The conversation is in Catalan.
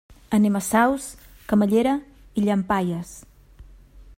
Anem a Saus, Camallera i Llampaies.